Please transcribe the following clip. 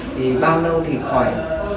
thì bao lâu thì khỏi